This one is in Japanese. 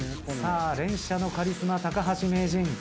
さあ連射のカリスマ高橋名人